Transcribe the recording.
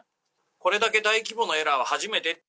これだけ大規模なエラーは初めて。